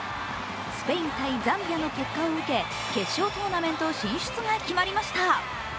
スペイン×ザンビアの結果を受け決勝トーナメント進出が決まりました。